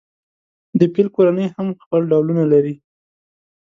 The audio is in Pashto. د فیل کورنۍ هم خپل ډولونه لري.